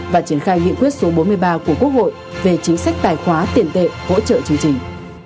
và triển khai nghị quyết số bốn mươi ba của quốc hội về chính sách tài khoá tiền tệ hỗ trợ chương trình